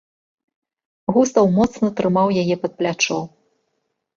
Густаў моцна трымаў яе пад плячо.